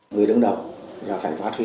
người đứng đầu là phải phát huy